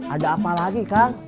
ada apa lagi kang